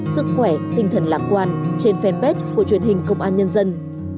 sức khỏe tinh thần lạc quan trên fanpage của truyền hình công an nhân dân